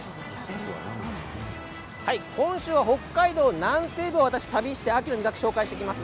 今週は北海道南西部を私、旅して秋の味覚を紹介します。